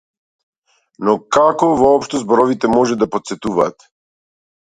Но како воопшто зборовите може да потсетуваат?